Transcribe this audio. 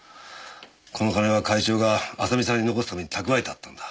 この金は会長が麻美さんに残すために貯えてあったんだ。